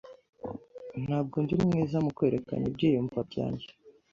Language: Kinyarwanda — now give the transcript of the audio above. Ntabwo ndi mwiza mu kwerekana ibyiyumvo byanjye.